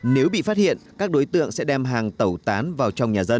nếu bị phát hiện các đối tượng sẽ đem hàng tẩu tán vào trong nhà dân